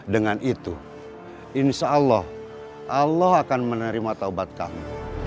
dengan itu insya allah allah akan menerima taubat kami